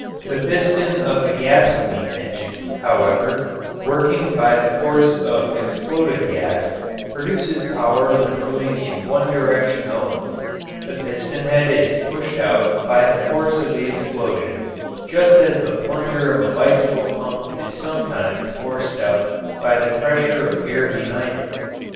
The piston of the gasoline engine, however, working by the force of exploded gas, produces power when moving in one direction only the piston head is pushed out by the force of the explosion, just as the plunger of a bicycle pump is sometimes forced out by the pressure of air behind it.